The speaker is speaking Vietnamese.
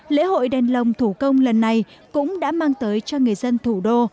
lễ hội đền lồng thủ công lần này cũng đã mang tới cho người dân thủ đô